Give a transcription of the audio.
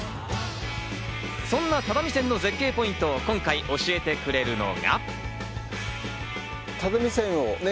そんな只見線の絶景ポイントを今回教えてくれるのが。